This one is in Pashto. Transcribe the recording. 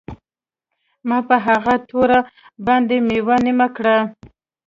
ما په هغه توره باندې میوه نیمه کړه